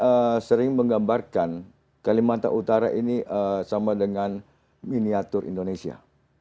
saya sering menggambarkan kalimantan utara ini sama dengan miniatur indonesia